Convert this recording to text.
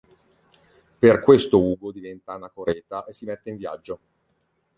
Per questo Ugo diventa anacoreta e si mette in viaggio.